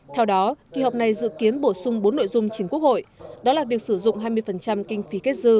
theo đó kỳ họp này dự kiến bổ sung bốn nội dung chính quốc hội đó là việc sử dụng hai mươi kinh phí kết dư